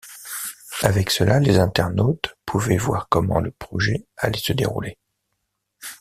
Avec cela, les internautes pouvaient voir comment le projet allait se dérouler.